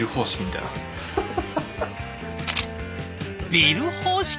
ビル方式？